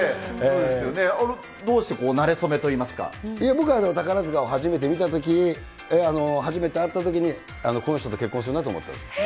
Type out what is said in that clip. どうしてこう、なれそめといいまいや、僕は宝塚を初めて見たとき、初めて会ったときにこの人と結婚するなと思ったんですよ。